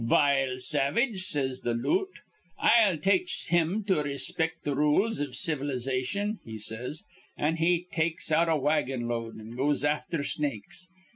'Vile savage,' says th' loot, 'I'll tache him to rayspict th' rules iv civilization,' he says. An' he takes out a wagon load, an' goes afther Snakes.